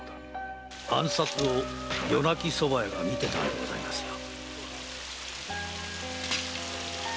暗殺を夜鳴き蕎麦屋が見てたんでございますよ。